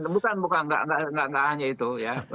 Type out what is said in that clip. bukan bukan nggak hanya itu ya